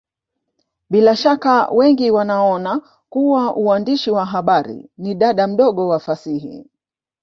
Bila shaka wengi wanaona kuwa uandishi wa habari ni dada mdogo wa fasihi